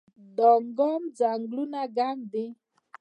دانګام ځنګلونه ګڼ دي؟